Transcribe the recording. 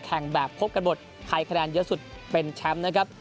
แข่งแบบพบกันหมดใครคะแนนเยอะสุดเป็นแชมป์นะครับ